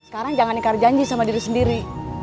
sekarang jangan nikar janji sama diri sendiri